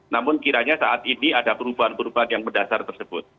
namun kiranya saat ini ada perubahan perubahan yang mendasar tersebut